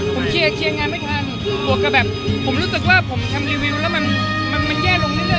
ผมเคลียร์งานไม่ทันบวกกับแบบผมรู้สึกว่าผมทำรีวิวแล้วมันแย่ลงเรื่อย